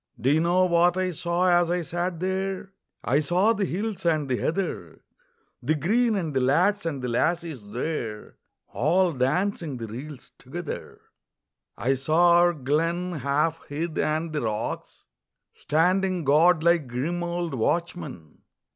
Do you know what I saw as I sat there? I saw the hills and the heather, The green, and the lads and the lassies there All dancing the reels together. I saw our glen, half hid, and the rocks Standing guard like grim old watchmen.